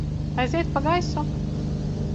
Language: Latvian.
Aiziet pa gaisu!